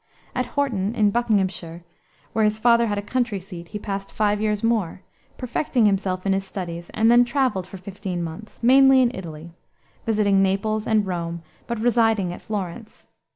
At Horton, in Buckinghamshire, where his father had a country seat, he passed five years more, perfecting himself in his studies, and then traveled for fifteen months, mainly in Italy, visiting Naples and Rome, but residing at Florence.